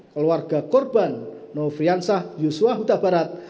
keluarga korban noviansah yusuf wahuda barat